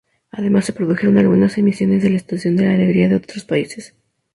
Además se produjeron algunas emisiones de la Estación de la Alegría desde otros países.